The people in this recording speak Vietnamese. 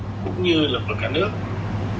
cũng như là của cả nước và quốc tế